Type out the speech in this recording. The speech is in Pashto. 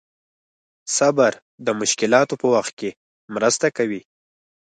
صبر د مشکلاتو په وخت کې مرسته کوي.